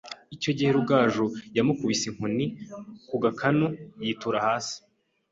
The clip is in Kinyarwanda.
Icyo gihe Rugaju yamukubise inkoni ku gakanu yitura hasi